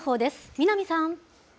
南さん。